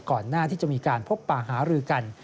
หน้าที่จะมีการพบป่าหารือกัน